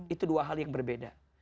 itu dua hal yang berbeda